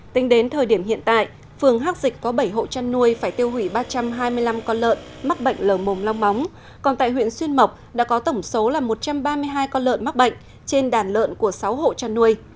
tính đến thời điểm hiện tại phường hắc dịch có bảy hộ chăn nuôi phải tiêu hủy ba trăm hai mươi năm con lợn mắc bệnh lở mồm long móng còn tại huyện xuyên mộc đã có tổng số là một trăm ba mươi hai con lợn mắc bệnh trên đàn lợn của sáu hộ chăn nuôi